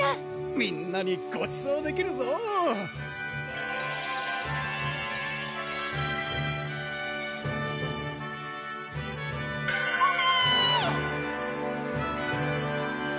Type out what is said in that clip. みんなにごちそうできるぞ！コメ！